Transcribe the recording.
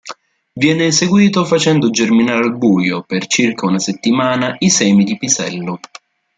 Viene eseguito facendo germinare al buio, per circa una settimana, i semi di pisello.